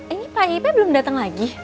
ini pak yip belum datang lagi